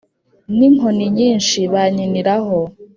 N'inkoni nyinshi bankiniraho